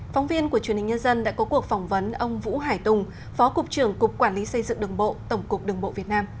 phóng viên của truyền hình nhân dân đã có cuộc phỏng vấn ông vũ hải tùng phó cục trưởng cục quản lý xây dựng đường bộ tổng cục đường bộ việt nam